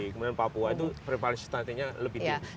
kemudian papua itu privasi stuntingnya lebih tinggi